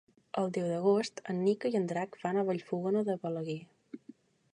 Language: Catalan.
El deu d'agost en Nico i en Drac van a Vallfogona de Balaguer.